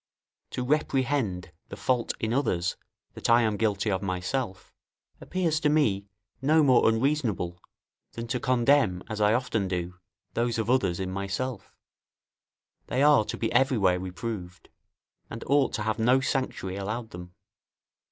To reprehend the fault in others that I am guilty of myself, appears to me no more unreasonable, than to condemn, as I often do, those of others in myself: they are to be everywhere reproved, and ought to have no sanctuary allowed them.